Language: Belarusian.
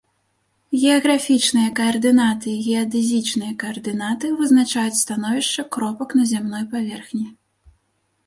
Геаграфічныя каардынаты і геадэзічныя каардынаты вызначаюць становішча кропак на зямной паверхні.